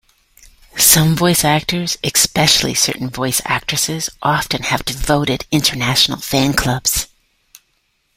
Some voice actors—especially certain voice actresses—often have devoted international fan-clubs.